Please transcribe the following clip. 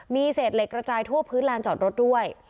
มีเศษเหล็กกระจายทั่วพื้นลานจอดรถด้วย